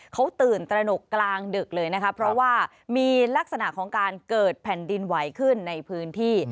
เขาตื่นตระหนกกลางดึกเลยนะคะเพราะว่ามีลักษณะของการเกิดแผ่นดินไหวขึ้นในพื้นที่